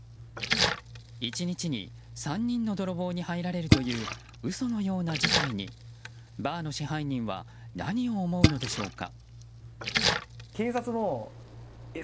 １日に３人の泥棒に入られるという嘘のような事態にバーの支配人は何を思うのでしょうか。